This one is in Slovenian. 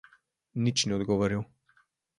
Nič ni odgovoril.